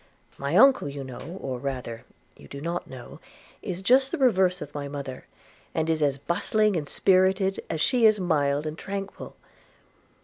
My uncle, you know, or rather you do not know, is just the reverse of my mother, and is as bustling and spirited as she is mild and tranquil.